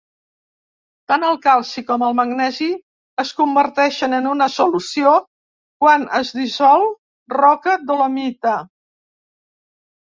Tant el calci com el magnesi es converteixen en una solució quan es dissol roca dolomita.